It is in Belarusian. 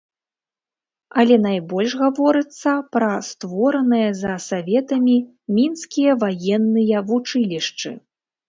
Але найбольш гаворыцца пра створаныя за саветамі мінскія ваенныя вучылішчы.